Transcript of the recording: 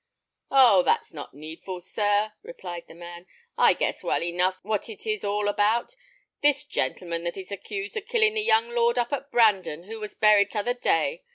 "Oh! that's not needful, sir," replied the man. "I guess well enough what it is all about: this gentleman that is accused of killing the young lord up at Brandon, who was buried t'other day.